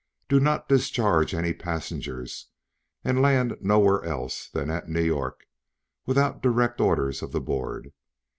Do not discharge any passengers and land nowhere else than at New York without direct orders of the Board.